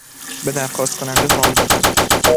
به درخواست کننده وام دادن